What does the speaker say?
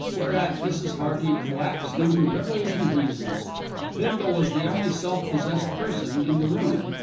Whereat Mrs. Hearty collapsed into ripples and wheezes. Bindle was the only self possessed person in the room.